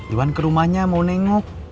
iwan ke rumahnya mau nengok